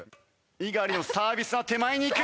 猪狩のサービスは手前に行く！